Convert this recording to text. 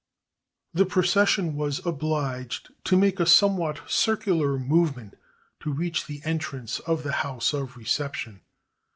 The procession was obhged to make a somewhat cir cular movement to reach the entrance of the house of reception.